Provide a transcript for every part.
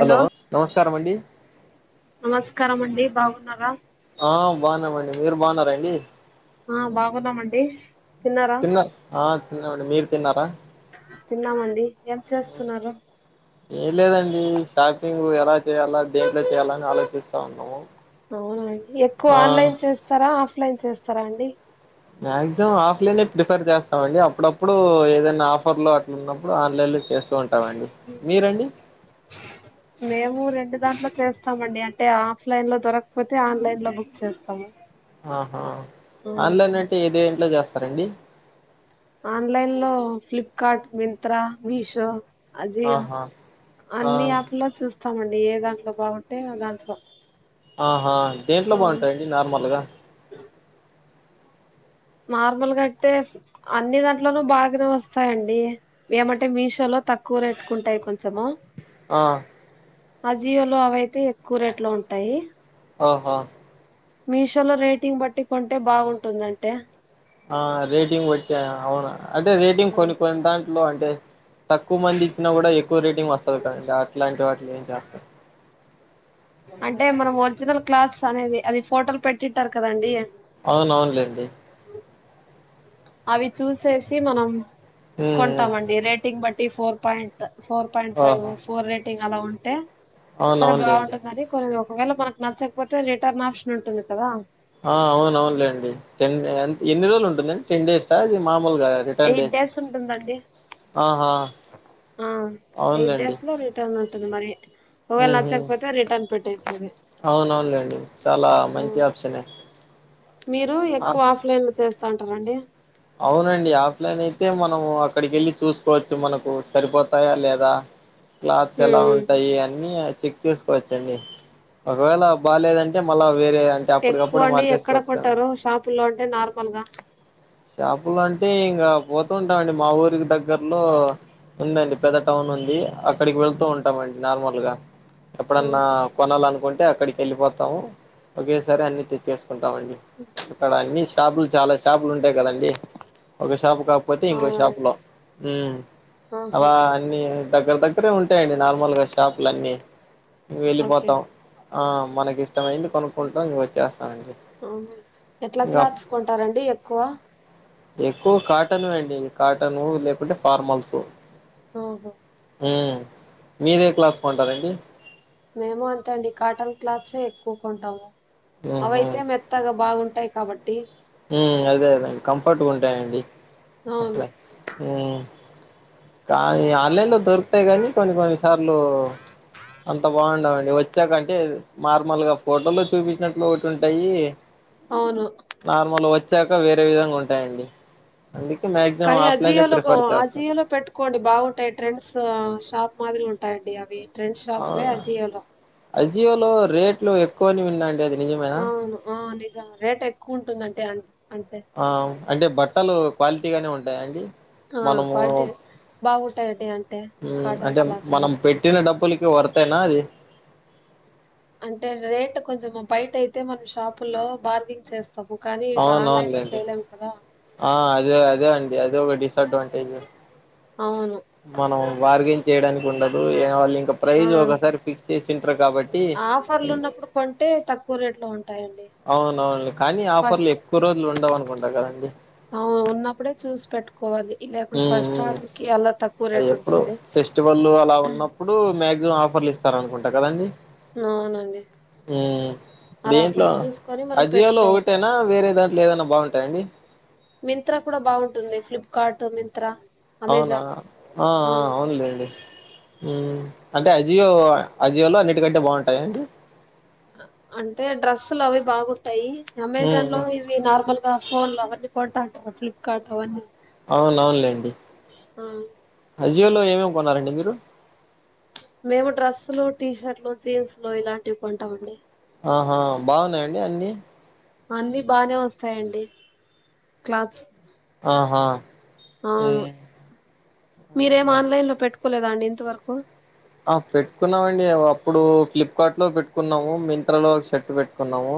Hello నమస్కారం అండి నమస్కారం అండి బాగున్నారా ఆ బాగున్నామండి మీరు బాగున్నరా అండి ఆ బాగున్నా మండి తిన్నారా తిన్నారు ఆ తిన్నామండి మీరు తిన్నారా తిన్నా మండి ఏం లేదండి షాపింగు ఎలా చేయాలా దేంట్లో చేయాలా అని ఆలోచిస్తా ఉన్నము అవునా ఎక్కువ ఆన్లైన్ చేస్తారా ఆఫ్ లైన్ చేస్ స్తరా అండి మాక్సిమం ఆఫ్లైనే ప్రిఫర్ చేస్తామండి, అప్పుడప్పుడు ఏదైనా ఆఫర్ లో అట్లున్నప్పుడు ఆన్లైన్ లో చేస్ స్తుంటామండి మీరండి మేము రెండు దాంట్లో చేస్తామండి అంటే ఆఫ్లైన్ లో దొరకపోతే ఆన్లైన్ లో బుక్ చేస్తాము ఆహా ఆన్లైన్ అంటే ఏ దేంట్లో జాస్ స్తరండి ఆన్లైన్ లో ఫ్లిప్కార్ట్ మింత్రా మీషో అజియో ఆహా ఆ అన్ని యాప్ లో చూస్తామం ఏ దాంట్లో బాగుంటే ఆ దాంట్లో ఆహా దేంట్లో బాగుంటాయండి నార్మల్గా నార్మల్గా అయితే అన్ని దాంట్లోనూ బాగనే వస్తాయండి. ఏమంటే మీషోలో తక్కువ రేట్టుకుంటాయి కొంచము. ఆ అజియో లో అవైతే ఎక్కువ రేట్లో ఉంటాయి. ఆహా మీషో లో రేటింగ్ బట్టి కొంటే బాగుంటుందంటే ఆ రేటింగ్ బట్టా అవునా అంటే రేటింగ్ కొన్ని కొన్ని దాంట్లో అం టే తక్కువ మంది ఇచ్చినా కూడా ఎక్కువ రేటింగ్ వస్తది కదండి అట్లాంటి వాటిలో ఏం చేస్తారు అంటే మనం ఒరిజినల్ క్లాస్ అనేది అది ఫోటోలు పెట్టిట్టారు కదండి అవును అవునులేండి అవి చూసేసి మనం ఉమ్ కొంటామండి రేటింగ్ బట్ టీ four point four point five ఓహో ఫోర్ రేటింగ్ అలా ఉంటే సరే అవునవునులేండి బాగుంటుందని కొన్ని ఒకవేళ మనకు నచ్చకపోతే రిటర్న్ ఆప్షన్ ఉంటుంది కదా ఆ అవును అవునులేండి టెన్ ఎన్ని రోజులు ఉంటుందండి టెన్ డేస్ అది మా ఎయిట్ డేస్ ఉంటుందండి ఆహా ఆ ఎయిట్ అవునులేండి డేస్ లో రిటర్న్ ఉంటుంది మరి ఒకవేళ ఉహు నచ్చకపోతే రిటర్న్ పెట్టేసి అవునవునులేండి చాలా మంచి ఆప్షనే ఆ అంటరండి అవునండి ఆఫ్లైన్ అయితే మనం అక్కడికి వెళ్ళి చూసుకోవచ్చు మనకు సరిపోతాయా లేదా క్లాత్స్ ఎలా ఉంటాయి అన్ని చెక్ చేసుకోవచ్చండి ఒకవేళ బాగాలేదంటే మళ్ళా వేరే అంటే అప్పటికప్పుడు ఎక్కువండి ఎక్కడ మార్చేసుకోవచ్చు కదా కొంటారు షాపుల్లో అంటే నార్మల్గా షాపులు అంటే ఇంకా పోతూ ఉంటామండి మా ఊరికి దగ్గర్లో ఉందండి పెద్ద టౌన్ ఉంది అక్కడికి వెళ్తూ ఉంటామండి నార్మల్గా ఎప్పుడన్న కొనాలను కొంటే అక్కడికి వెళ్ళిపోతాము ఒకేసారి అన్ని తెచ్చే కుంటామండి అ క్కడ అన్ని డాబ్లు చాలా అంతే కదండి ఒక షాపు కాకపోతే ఇంకోక షాపు అవునండి లో హమ్ ఆహా అలా అన్ని దగ్గర దగ్గ ఇక్కడే ఉంటాయండి నిర్మల్గ షాపులన్నీ ఓకే వెళ్ళిపోతాం ఆ మనకిష్ట ఇష్టమైంది కొనుకుంటాం చేస్త ఎట్లా క్లాత్స్ కొంతరండి ఎక్కువ ఎక్కువ కాటన్ అండి కాటను లేకుంటే ఫార్మల్స్ ఆహా హమ్ మీరే క్లాత్స్ కొంటరండి మేము అంతే అండి కాటన్ క్లాత్స్ఏ ఎక్కువ కొంటాము ఉహు అవైతే మెత్తగా బాగుం టయ్ కాబట్టి అదే అదండి కంఫర్ట్ గా ఉంటాయండి అవును ఉ కానీ ఆన్లైన్లో దొరుకుతాయి కానీ కొన్ని కొన్ని సార్లు అంత బాగుండవన్డి వచ్చాకంటే నార్మల్ గా ఫోటో లో చూపించినట్లు ఒకటి ఉంటాయి అవును నార్మల్ వచ్చాక వేరే విధంగ ఉంటాయండి అందుకే మాక్సిమం కాై అ ఆఫ్లైనే జియో లో ప్రిఫర్ చేస్తా అజియో లో పెట్టుకోండి బాగుంటాయి ట్రెండ్స్ షాప్ మాదిరి ఉంటాయండి అవి ట్రెండ్స్ షాపే అజియోలో అజియో లో రేట్లు ఎక్కువని విన్న అండి అవును ఆవును రేట్ ఎక్కువ ఉంటుందంటే ఆ అంటే బట్టలు క్వాలిటీ గానే ఉంటాయా అండి ఆ క్వాలిటీ బాగుటాయి ఆటె అంటే మనం పెట్టిన డబ్బులు వర్త్ ఐన అది అంటే రేట్ కొంచెం బయట అయితే మనం షాపు లో బార్గెనింగ్ చేస్తాం అవునవునండి ఆ అదే అదే అండి అదే ఒక డిసడ్వాంటేజ్ అవును. మనం బర్గయిన్ చేయడానికి దానికి ఉండదు ఏం వలి ఇంకా ఆ! ప్రైజ్ ఒకసారి ఫిక్స్ చేసింటారు కాబట్టి ఆఫర్లున్నప్పుడు కొంటే తక్కువ రేట్‌లో ఉంటాయండి. అవునవును కానీ ఆఫర్లు ఫస్ట్ ఎక్కువ రోజులు ఉండవు అనుకుంటా కదండి అవును ఉన్నప్పుడే చూసి పెట్టుకోవాలి లేకుంటే మ్మ్ ఫస్ట్ మ్మ్ ఆర్డర్ కి అలా తక్కువ అది రేట్ ఎప్పుడు ఉంటుంది ఫెస్టివల్లు అలా ఉన్నప్పుడు మ్యా ఆఫర్లు ఇస్తార అనుకుంటా కదండి అవునండి మ్మ్ అలా అప్పుడు దీంట్లో చూసుకొని మనం అజియోలో పెట్టుకోవాలి ఒకటేనా వేరే దాంట్లో ఏదైనా బాగుంటాయంండి కార్టు మింత్రా అవునా అమెజాన్ ఆ అవును అవునులేండి మ్మ్ అంటే అజియో అజియోలో అన్నిటికంటే బాగుంటాయ అండి అంటే డ్రస్సులు అవి బాగు తాయి ఉమ్ అమెజాన్ లో ఉమ్ ఇవి నార్మల్ ఫోన్ అవి అన్నీ కొంటా ఉంటారు ఫ్లిప్కార్ట్ అవన్నీ అవును అవును లెండి ఆ ఆజియోలో ఏమేమి కొన్నారండి మీరు మేము డ్రెస్లు టీషర్ట్లు జీన్స్లు ఇలాంటివి కొంటాం అండి ఆహా బాగున్నాయంండి అన్ని అన్ని బానే వస్తాయండి క్లాత్స్ ఆహా అవును ఉమ్. మీరేం ఆహా ఆన్లైన్ లో పెట్టుకు చెకోలేదాండి ఇంతవరకు ఆ పెట్టుకున్నామండి అప్పుడు కిప్కార్ట్ లో పెట్టుకున్నాము. మింత్రా లో ఒక షర్ట్ పెట్టుకున్నాము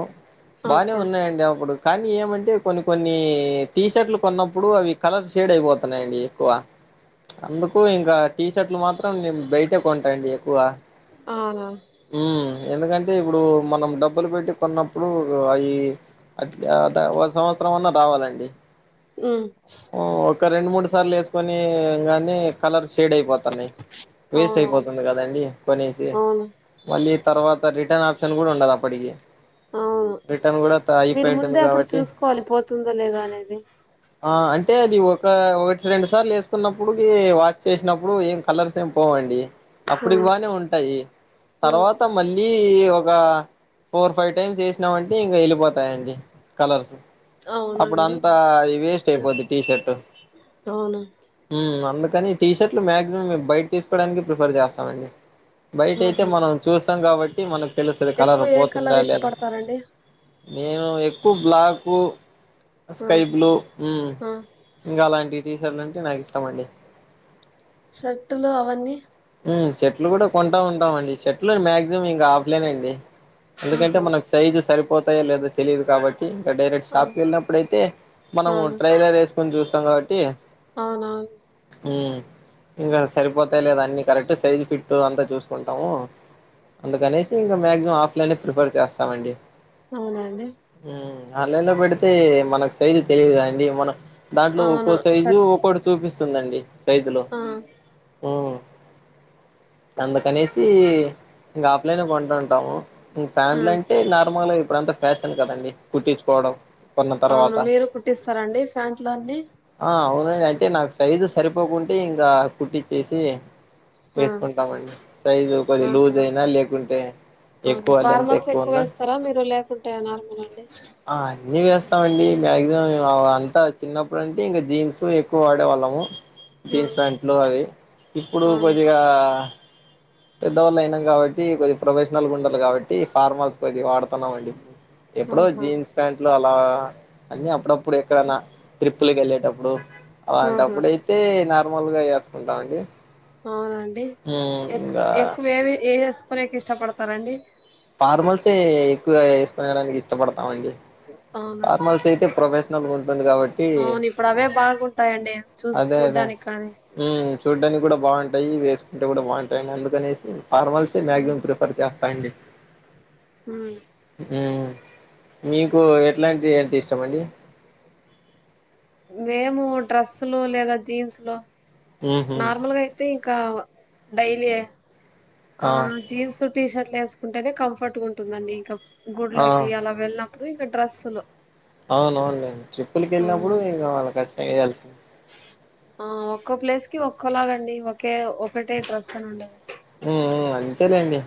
బానే ఓకే ఉన్నాయండి అప్పుడు కానీ ఏమంటే కొన్ని కొన్ని టీషర్ట్లు కొన్నప్పుడు అవి కలర్ షేడ్ అయిపోతున్నాయండి ఎక్కువ. అందుకు ఇంకా టీషర్ట్లు మాత్రం నేను బయట కొంటా అండి ఎక్కువా అవునా మ్మ్ ఎందుకంటే ఇప్పుడు మనం డబ్బులు పెట్టి కొన్నప్పుడు అవి ఒక సంవత్సరం అన్నా రావాలండి మ్మ్ ఒక రెండు, మూడు సార్లు వేసుకొని ఇగ అన్నీ కలర్ షేడ్ అయిపోతున్నాయి వేస్ ట్ అవును అయిపోతుంది కదండి కొనేసి అవును మళ్ళీ తర్వాత రిటర్న్ ఆప్షన్ కూడా ఉండదు అప్పటికి అవును రిటర్న్ కూడా మీరు అయిపోయి ఉంటుంది ముందే అప్పుడు కాబట్టి చూసుకోవాలి పోతుందో లేదా అనేది అంటే అది ఒక ఆ ఒకటి, రెండు సార్లు వేసుకున్నప్పుడుకి వాష్ చేసినప్పుడు ఏం కలర్స్ ఏం పోవండి ఆ అప్పుటికి బానే ఉంటాయి ఆ తర్వాత మళ్ళీ ఒక ఫోర్, ఫైవ్ టైమ్స్ వేసినాం అంటే ఇంకా వెళ్ళిపోతాయండి కలర్స్ అవునా అప్పుడు అండి అంతా అది వేస్ట్ అయిపోది టీషర్ట్ అవునా అందుకని టీషర్లు మాక్సిమం బయట తీసుకోవడానికి ప్రిఫర్ చేస్తామండి బయట అయితే ఆహా మనం చూస్ తం కాబట్టి మనకు తెలుస్తది కలర్ ఎక్కువ ఏ పోతుందా? కలర్ లేద ఇష్టపడతారండి నేను ఎక్కువ బ్లాకు ఆ స్కై బ్లూ ఆ ఇంకా అలాంటివి టీషర్ట్లు అంటే నాకు ఇష్టమండి షర్ట్టులు అవన్నీ షర్ట్లు కూడా కొంటా ఉంటాం అండి షర్ట్లు మాక్సిమం ఇంకా ఆఫ్లైన్ అండి ఎందుకంటే ఆహా మనకు సైజు సరి పోతాయ లేదో తెలియదు కాబట్టి ఇంకా డైరెక్ట్ ఆ షాప్కి వెళ్ళినప్పుడు అయితే మనం ట్రైలర్ వే స్కొని చూస్తాం కాబట్టి అవునా మ్మ్ ఇంక సరిపోతాయా లేదా అన్ని కరెక్ట్ సైజు ఫిట్ అంతా చూసుకుంటాము అందుకనేసి ఇంకా మాక్సిమం ఆఫ్లైనే ప్రిఫర్ చేస్తామండి అవునండి ఆన్లైన్లో పెడితే మనకు సైజు తెలియదుకదండీ మనం దాంట్లో ఒక్కో అవును సైజు షర్ట్ ఒక్కొటి చూపిస్తుందండి సైజు లో ఆ ఉహు అందుకనేసి ఆఫ్లైన్ కొంటుంటాం ప్యాంట్లు ఉమ్ అంటే నార్మల్ ఇ ఇప్పుడంతా ఫ్యాషన్ కదండి కుట్టించుకోవడం కొన్న అవును తర్వాత మీరు కుట్టిస్తారండి ఫ్యాంట్ల అన్నీ ఆ అంటే నాకు సైజు సరిపోకుంటే ఇంకా కుట్టిచ్చేసి ఆ వేసుకుంటామండి సైజు కొద్ది లూజ్ ఆహా అయినా లేకుంటే ఓకే ఎక్కువ లెంత్ ఫార్మల్స్ ఎక్కువ ఉన్నా వేస్తారా మీరు లేకుంటే నార్మల్ అండి ఆ అన్ని వేస్తామండి మ్యా మాక్సిమమ్ అంతా చిన్నప్పుడు అంటే ఇంకా జీన్స్ ఎక్కువ వాడే వాళ్ళము ఆ జీన్స్ ప్యాంట్లు అవి ఇప్పుడు అవును ఆ పెద్దవాళ్ళ అయినాం కాబట్టి కొద్ది ప్రోవే నల్ గా ఉండాలికాబట్టి ఫార్మల్స్ కొద్ది వాడుతున్నామ అండి ఎప్పుడో ఆహా జీన్స్ ప్యాంట్లు అ అ అన్ని అప్పుడప్పుడు ఇప్పుడు ఎక్కడన్నా ట్రిప్పులకి వెళ్ళేటప్పుడు ఆహా అలాంటప్పుడు అయితే న నార్మల్గా వేసుకుంటామ అండి అవునండి ఏకు ఎక్కువ ఏది ఏ వేసు కొనేకి ఇష్టపడతారండి ఫార్మల్సే ఎక్కువగా వేసుకునడానికి ఇష్టపడతామండి అవునా ఫార్మల్స్ అయితే ప్రొఫెషనల్ గా ఉంటుంది కాబట్టి అవును ఇప్పుడు అవే బాగుంటాయండి చూసి అదే అదే చూడ్డానికి కానీ హు చూడ్డానికి కూడా బాగుంటాయి వేసుకుంటే కూడా బాగుంటాయిని అందుకనేసి ఫార్మల్సే మ్యాక్సిమం ప్రిఫర్ చేస్తా అండి ఉహు ఉహు మీకు ఎ ట్లాంటి ఈ ఏంటి ఇష్టము అండి మేము డ్రస్సులు లేదా జీన్స్ లో ఉహు నార్మల్గా అయితే కా డైలీ ఆ జీన్స్ టీ షర్ట్ లు వేసుకుంటేనే కంఫర్ట్ గా ఉంటుందండి ఇంకా ఆ గుళ్ళకి అలా వెళ్ళిన ఇంకా డ్రెస్లులు అవునవును ట్రిప్పులకి వెళ్ళినప్పుడు ఇంకా వాళ్ళ ఖచ్చితంగా ఎయ్యాల్సిందే ఆ ఒక్కో ప్లేస్ కి ఒక్కోలాగ అండి ఒకే ఒకటే డ్రెస్సు ఉండలు ఉమ్ ఉమ్ అంతేలేండి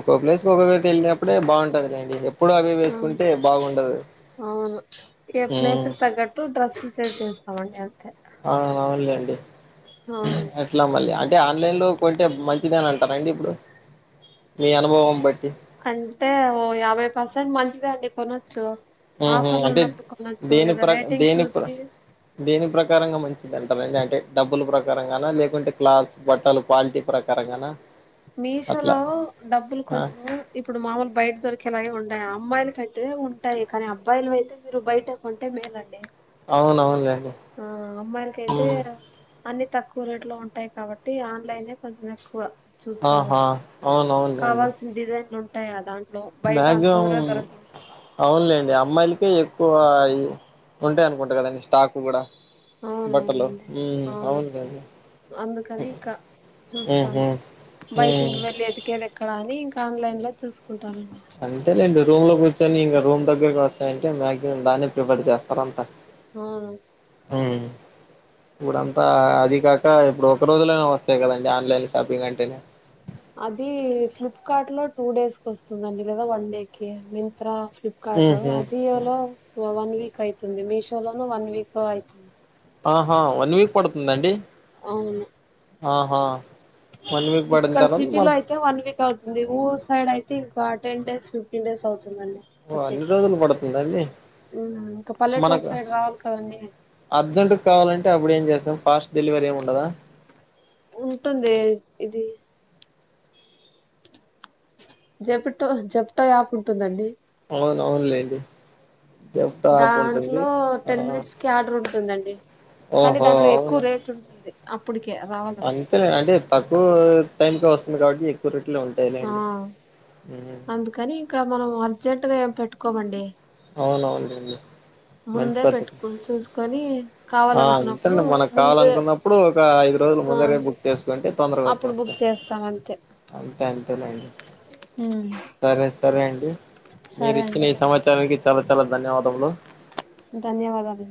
ఒక్కో ప్లేస్ కి ఒక్కేటి వెళ్ళినప్పుడే బాగుంటది లేండి అవును అవును ఏ ఉమ్ ప్లేస్కి తగ్గట్టు డ్రెస్సు చేంజ్ చేస్త అవా డ్ న్ని అంతే ఆ మావుల్గ అండి ఆ ఎట్లా మళ్ళీ అంటే ఆన్లైన్ లో కొంటే మంచిదేనంటా రాండి ఇప్పుడు మీ అనుభవం బట్టి అంటే ఓ యాభై పర్సెంట్ మంచిదే అండి కొనొచ్చు ఆఫర్లు అంటే ఉన్నప్పుడు కొనొచ్చు దేని లేదా ప్రక రేటింగ్ దేని ప్ర చూసి దేని ప్రకారంగా మంచి ఉంటారండి అంటే డబ్బులు ప్రకారం గాన లేకుంటే క్లాస్ బట్టలు క్యాల్టి ప్రకారంగా న మీషో లో డబ్బులు కొంచెము ఇప్పుడు మామూలు బయట దొరికేలాగ ఉండయి అమ్మాయిలకి పెట్టతే ఉంటాయి కానీ అబ్బాయిలు అయితే మీరు బయట కొంటే మేలండి అవును అవును గాని ఆ అమ్మాయిలకైతే అన్ని తక్కువ రేట్ లో ఉంటాయి కాబట్టి ఆన్లైనే కొంచెం ఎక్కువ చూస్తారు ఆహా అవును అవునులే అండి అంటే గదాన్ మ్యాక్సిమం అవునులేండి అమ్మాయిలకే ఎక్ ఎక్కువ ఉంటాయి అనుకుంటా కదండి స్టాక్ కూడా అవును బట్టలు అవునండి ఉమ్ అవును అవునులేండి అందుకని ఇంకా చూస్తాను ఉహు బయట ఉమ్ ఇంక వెళ్ళి ఎదికేది ఎక్కడా అని ఇం ఆన్లైన్ లో చూసుకుంటాం అంతేలేండి రూమ్ లో కూర్చొని ఇంకా రూమ్ దగ్గరకి వస్తాయంటే మ్యాక్సిమం దాన్ని ప్రిపేర్ చేస్తారంట ఆ ఇప్పుడు అంతా అది కాక క ఇప్పుడు ఒక రోజులాగ వస్ అంతేకదండి ఆన్లైన్ షాపింగ్ అంటేనే అది ఫ్లిప్కార్ట్ లో టూ డేస్ కి వస్తుందండి లేదా వన్ డే క మింత్రా ఫ్లిప్కార్ట్ ఉహు తోఆ జీవలో వన్ వీక్ వక్ అవుతుంది మీషో లోనూ వన్ వీక్ అయితుంది ఆహా వన్ వీక్ పడుతుందండి అవును ఆహా వన్ వీక్ పడిన ఇక్కడ తర్వాత సిటీలో మళ్ళ అయితే వన్ వీక్ అవుతుంది ఊరు సైడ్ అయితే ఇంకో టెన్ డేస్ చూపిన సౌత్ ఓ అన్ని రోజులు పడుతుందండి ఉమ్, ఇంకా పల్లెటూరు మనకు సైడ్ రావాలి కదండి అర్జెంట్ కావాలంటే అప్పుడు ఏం చేస్త త ఫాస్ట్ డెలివరీ ఏమి ఉండదా ఉంటుందే ఇది జపటో జప్టో యాప్ ఉంటుందండి అవును అవున్లేండి దాంట్లో టెన్ మినిట్స్ కి ఆర్డర్ ఉంటుందండి కానీ ఓహో దాంట్లో ఎక్కువ అవునా రేట్ ఉంటుంది అప్పడుకే రావాలంటే నాకు టైం కి వస్తుంది కాబట్టి ఎక్కువ రే ట్లు ఆ ఉంటాయిలేండి అందుకని ఇంకా మనం అర్జెంట్ గా ఏం పెట్టుకోమండి అవునవునండి మంచి ముందే పద్ధతి పెట్టుకుని చూసుకొని ఆ కావాలనుకున్నప్పుడు అంతేనండి మనకు ముందే కావాలనుకున్నప్పుడు ఒక ఐదు రోజుల ఆ ముందరే బుక్ చేసుకుంటే తొందరగా అప్పుడు బుక్ వచ్చేస్తాది చేస్తాం అంతే అంతే అంతేలెండి ఉమ్ సరే సరే అండి మీరు ఇచ్చిన ఈ సమాచ మీ చాల చాల ధన్యవాద ధన్యవాదాలు